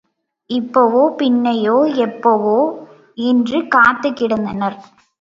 இப்பவோ பின்னையோ எப்பவோ என்று காத்துக் கிடந்தனர்.